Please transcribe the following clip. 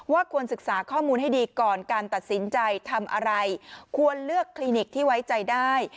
ควรศึกษาข้อมูลให้ดีก่อนการตัดสินใจทำอะไรควรเลือกคลินิกที่ไว้ใจได้